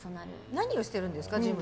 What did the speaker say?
何をしてるんですか？